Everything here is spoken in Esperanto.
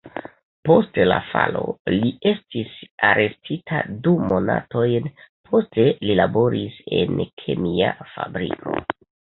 Post la falo li estis arestita du monatojn, poste li laboris en kemia fabriko.